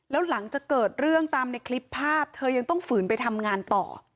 แล้วหลังจากเกิดเรื่องตามในคลิปภาพเธอยังต้องฝืนไปทำงานต่อ